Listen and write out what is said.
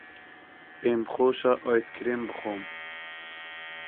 پێم خۆشە ئایسکرێم بخۆم.